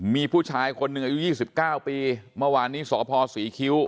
มีผู้ชายคนหนึ่งอายุ๒๙ปีเมื่อวานนี้สพศรีคิ้ว